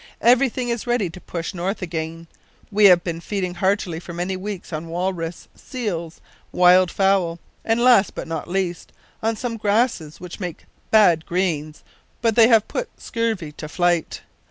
Everything is ready to push north again. We have been feeding heartily for many weeks on walrus, seals, wild fowl, and last, but not least, on some grasses which make bad greens, but they have put scurvy to flight.